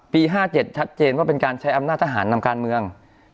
๕๗ชัดเจนว่าเป็นการใช้อำนาจทหารนำการเมือง